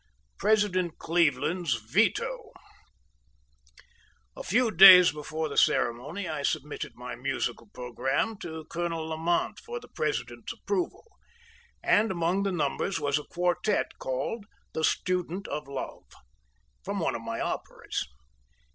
President Cleveland's Veto. A few days before the ceremony I submitted my musical programme to Colonel Lamont for the President's approval, and among the numbers was a quartet called "The Student of Love," from one of my operas.